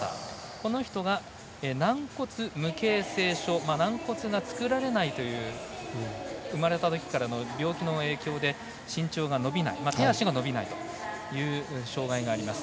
この人が軟骨無形成症軟骨が作られないという生まれたときからの病気の影響で身長が伸びない手足が伸びないという障がいがあります。